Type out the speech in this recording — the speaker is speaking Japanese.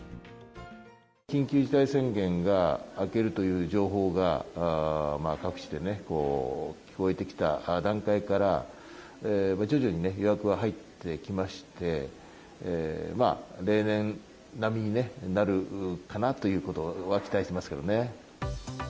緊急事態宣言が明けるという情報が各地でね、聞こえてきた段階から、徐々にね、予約は入ってきまして、例年並みになるかなということは期待してますけどね。